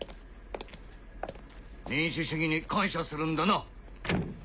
民主主義に感謝するんだな！